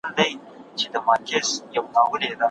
دا لیکنه د یو ماډل ارزښت ښيي.